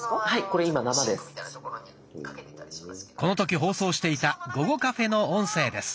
この時放送していた「ごごカフェ」の音声です。